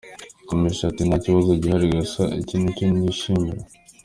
Kamichi ati Nta kibazo gihari gusa ni uko icyo ntishimira.